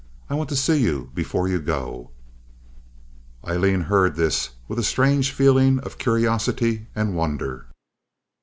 "I want to see you before you go." Aileen heard this with a strange feeling of curiosity and wonder.